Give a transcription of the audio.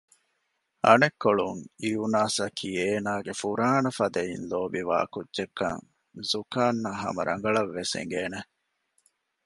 އަނެއްކޮޅުން އިއުނާސްއަކީ އޭނާގެ ފުރާނަފަދައިން ލޯބިވާ ކުއްޖެއްކަން ރުކާންއަށް ހަމަ ރަނގަޅަށް އެނގޭނެ